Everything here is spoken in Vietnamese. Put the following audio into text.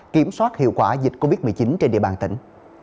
kiểm soát hiệu quả dịch covid một mươi chín trên địa bàn tỉnh